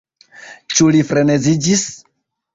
Ĉu li freneziĝis?